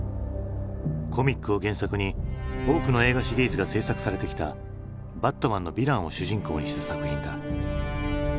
コミックを原作に多くの映画シリーズが製作されてきた「バットマン」のヴィランを主人公にした作品だ。